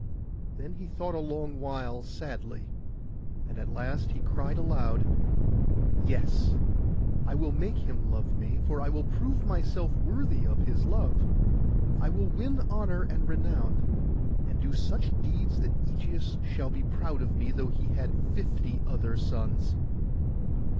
Then he thought a long while sadly; and at the last he cried aloud, 'Yes! I will make him love me; for I will prove myself worthy of his love. I will win honour and renown, and do such deeds that Ægeus shall be proud of me, though he had fifty other sons!